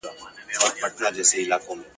په لیدلو چي یې وو په زړه نتلی !.